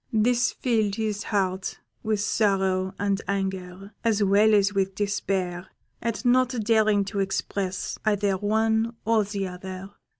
This filled his heart with sorrow and anger, as well as with despair, at not daring to express either one or the other.